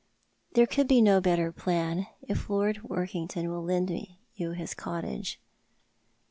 " There could be no better plan, if Lord Workington will lend you his cottage."